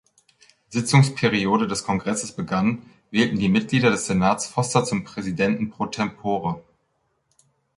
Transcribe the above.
Sitzungsperiode des Kongresses begann, wählten die Mitglieder des Senats Foster zum Präsidenten pro tempore.